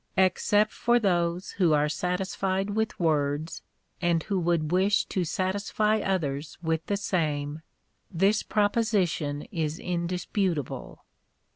Except for those who are satisfied with words, and who would wish to satisfy others with the same, this proposition is in disputable.